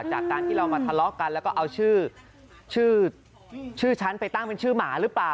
จากการที่เรามาทะเลาะกันแล้วก็เอาชื่อชื่อฉันไปตั้งเป็นชื่อหมาหรือเปล่า